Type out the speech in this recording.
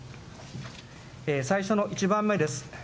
最初の１番目です。